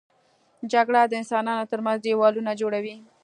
جګړه د انسانانو تر منځ دیوالونه جوړوي